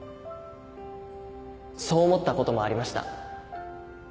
そう思ったこともありました。